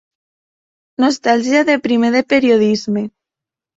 Nostàlgia de primer de periodisme.